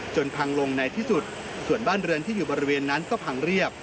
พังลงในที่สุดส่วนบ้านเรือนที่อยู่บริเวณนั้นก็พังเรียบ